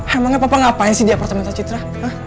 emangnya papa ngapain sih di apartemen atau citra